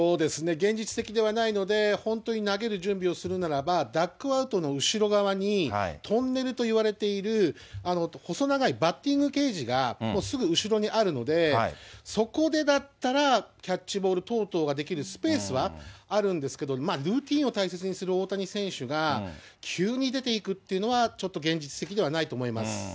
現実的ではないので、本当に投げる準備をするならば、ダッグアウトの後ろ側に、トンネルといわれている細長いバッティングケージが、すぐ後ろにあるので、そこで立ったらキャッチボール等々ができるスペースはあるんですけど、まあ、ルーティンを大切にする大谷選手が、急に出ていくっていうのは、ちょっと現実的ではないと思います。